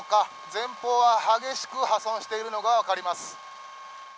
前方は激しく破損しているのがわかります。